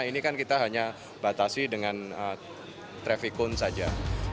ini kan kita hanya batasi dengan trafikun saja